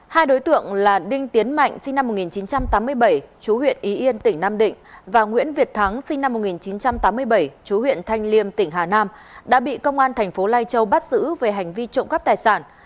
hai đối tượng là đinh tiến mạnh sinh năm một nghìn chín trăm tám mươi bảy chú huyện ý yên tỉnh nam định và nguyễn việt thắng sinh năm một nghìn chín trăm tám mươi bảy chú huyện thanh liêm tỉnh hà nam đã bị công an thành phố lai châu bắt giữ về hành vi trộm cắp tài sản